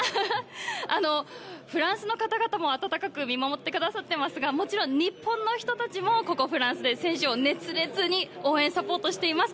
フランスの方々も温かく見守ってくださってますが、もちろん、日本の人たちもここフランスで選手を熱烈に応援、サポートしています。